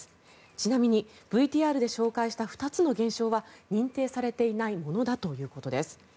ちなみにＶＴＲで紹介した２つの現象は認定されていないものだということです。